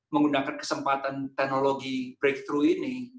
menggunakan kesempatan teknologi breakthrough ini